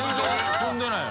飛んでないよ。